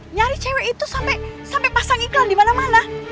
nyari cewek itu sampai pasang iklan di mana mana